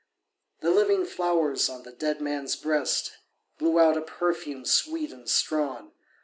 The living flowers on the dead man's breast Blew out a perfume sweet and strong.